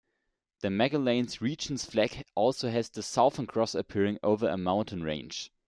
The Magallanes Region's flag also has the Southern Cross appearing over a mountain range.